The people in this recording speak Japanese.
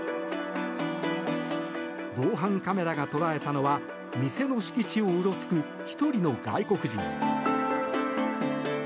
防犯カメラが捉えたのは店の敷地をうろつく１人の外国人。